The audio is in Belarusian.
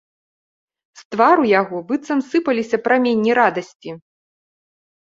З твару яго быццам сыпаліся праменні радасці.